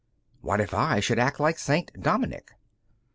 "What if I should act like St. Dominic?"